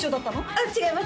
あっ違います